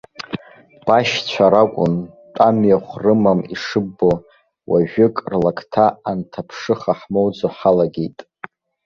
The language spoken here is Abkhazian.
Башьцәа ракәын, тәамҩахә рымам ишыббо, уажәык рлакҭа анҭаԥшыха ҳмоуӡо ҳалагеит.